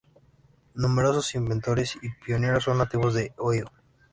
Numerosos inventores y pioneros son nativos de Ohio.